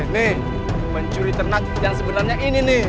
nih pencuri ternak yang sebenarnya ini nih